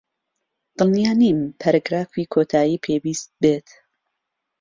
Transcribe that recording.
دڵنیا نیم پەرەگرافی کۆتایی پێویست بێت.